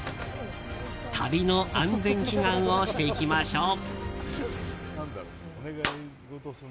旅の安全祈願をしていきましょう。